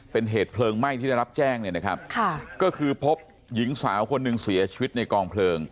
เป็นเหตุเพลิงไหม้ที่ได้รับแจ้งเนี่ยนะครับค่ะก็คือพบหญิงสาวคนหนึ่งเสียชีวิตในกองเพลิง